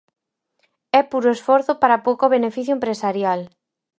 É puro esforzo para pouco beneficio empresarial.